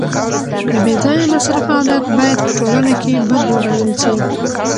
د بې ځایه مصرف عادت باید په ټولنه کي بد وګڼل سي.